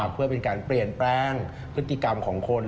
เพื่อเป็นการเปลี่ยนแปลงพฤติกรรมของคน